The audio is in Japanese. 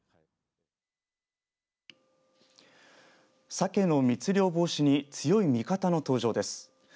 さけの密漁防止に強い味方の登場です。